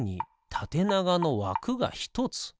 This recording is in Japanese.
たてながのわくが１つ。